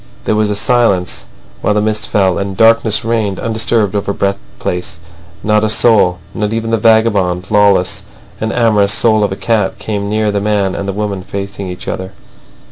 There was a silence, while the mist fell, and darkness reigned undisturbed over Brett Place. Not a soul, not even the vagabond, lawless, and amorous soul of a cat, came near the man and the woman facing each other.